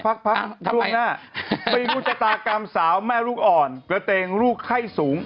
พักช่วงหน้าปริมูจตากรรมสาวแม่ลูกอ่อนเกือบเต็งลูกไข้สูง